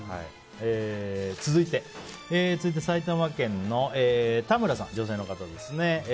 続いて、埼玉県の女性の方ですね。